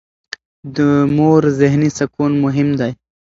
د مور ذهني سکون مهم دی.